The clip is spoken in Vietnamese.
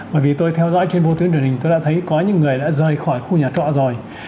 bởi vì tôi theo dõi trên vô tuyến truyền hình tôi đã thấy có những người đã rời khỏi khu nhà trọ rồi